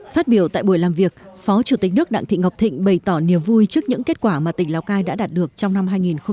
phát biểu tại buổi làm việc phó chủ tịch nước đặng thị ngọc thịnh bày tỏ niềm vui trước những kết quả mà tỉnh lào cai đã đạt được trong năm hai nghìn một mươi tám